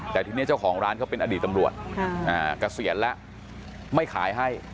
แต่ทีนี้เจ้าของร้านเขาเป็นอดีตตำรวจเกษียณแล้วไม่ขายให้